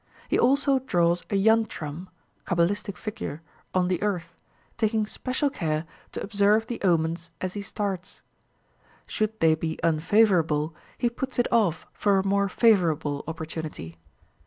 He also draws a yantram (cabalistic figure) on the earth, taking special care to observe the omens as he starts. Should they be unfavourable, he puts it off for a more favourable opportunity.